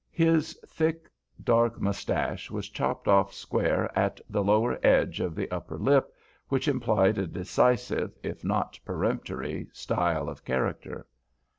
His thick, dark moustache was chopped off square at the lower edge of the upper lip, which implied a decisive, if not a peremptory, style of character.